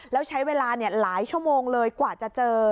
แล้วใช้เวลาหลายชั่วโมงเลยกว่าจะเจอ